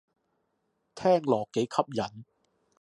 聽落幾吸引